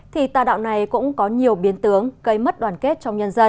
thì ta đạo này cũng có nhiều biến tướng cây mất đoàn kết trong nhân dân